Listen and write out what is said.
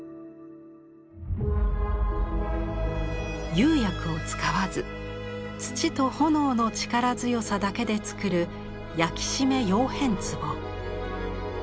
釉薬を使わず土と炎の力強さだけで作る「焼締窯変壺」。